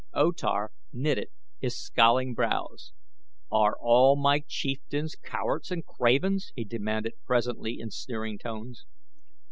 O Tar knitted his scowling brows. "Are all my chieftains cowards and cravens?" he demanded presently in sneering tones.